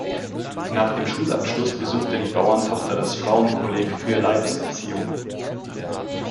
Nach dem Schulabschluss besuchte die Bauerntochter das Frauen-Kolleg für Leibeserziehung.